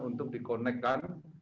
untuk di connect kan